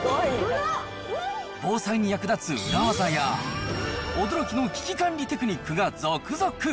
防災に役立つ裏技や、驚きの危機管理テクニックが続々。